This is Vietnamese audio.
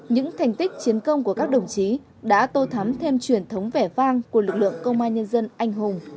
những thành tích chiến công của các đồng chí đã tô thắm thêm truyền thống vẻ vang của lực lượng công an